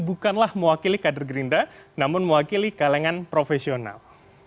bukanlah mewakili kader gerindra namun mewakili kalangan profesional